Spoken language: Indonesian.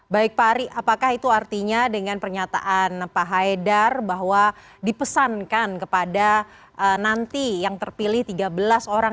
baik pak ari apakah itu artinya dengan pernyataan pak haidar bahwa dipesankan kepada nanti yang terpilih tiga belas orang